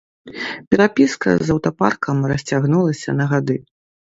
Перапіска з аўтапаркам расцягнулася на гады.